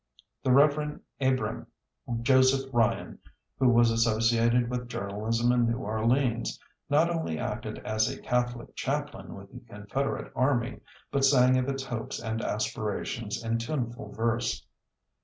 The Rev. Abram Joseph Ryan, who was associated with journalism in New Orleans, not only acted as a Catholic chaplain with the Confederate army, but sang of its hopes and aspirations in tuneful verse.